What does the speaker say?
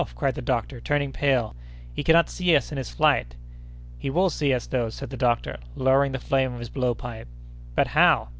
cried the doctor, turning pale. "He cannot see us in his flight!" "He will see us, though!" said the doctor, lowering the flame of his blow pipe. "But how?"